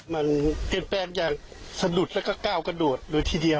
มันเปลี่ยนแปลงอย่างสะดุดแล้วก็ก้าวกระโดดเลยทีเดียว